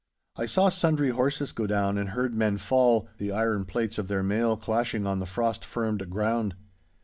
I saw sundry horses go down and heard men fall, the iron plates of their mail clashing on the frost firmed ground.